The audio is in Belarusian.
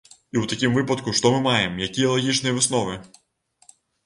І ў такім выпадку, што мы маем, якія лагічныя высновы?